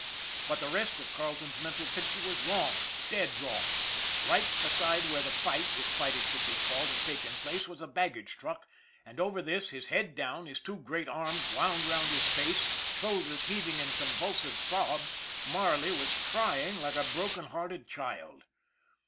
But the rest of Carleton's mental picture was wrong, dead wrong. Right beside where the fight, if fight it could be called, had taken place was a baggage truck, and over this, his head down, his two great arms wound round his face, shoulders heaving in convulsive sobs, Marley was crying like a broken hearted child.